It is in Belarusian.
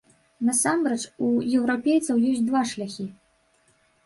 Насамрэч у еўрапейцаў ёсць два шляхі.